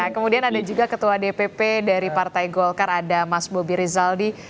kemudian ada juga ketua dpp dari partai golkar ada mas bobi rizaldi